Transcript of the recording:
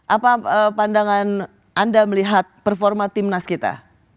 apa pandangan anda melihat performa timnas kita